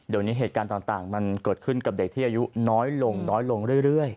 เดี๋ยวนี้เหตุการณ์ต่างมันเกิดขึ้นกับเด็กที่อายุน้อยลงน้อยลงเรื่อย